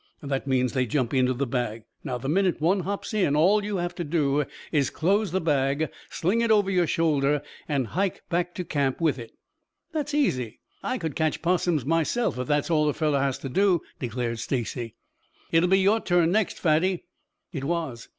That means they jump into the bag. The minute one hops in all you have to do is to close the bag, sling it over your shoulder and hike back to camp with it." "That's easy. I could catch 'possums myself if that's all a fellow has to do," declared Stacy. "It'll be your turn next, Fatty." It was.